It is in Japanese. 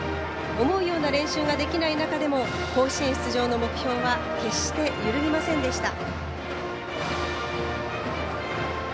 思うような練習ができない中でも甲子園出場の目標は決して揺るぎませんでした。